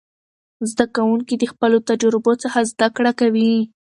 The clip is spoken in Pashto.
زده کوونکي د خپلو تجربو څخه زده کړه کوي.